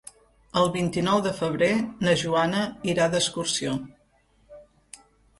El vint-i-nou de febrer na Joana irà d'excursió.